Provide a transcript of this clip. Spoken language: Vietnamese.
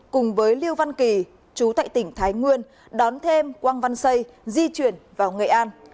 cùng với liêu văn kỳ chú tại tỉnh thái nguyên đón thêm quang văn xây di chuyển vào nghệ an